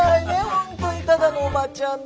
本当にただのおばちゃんで。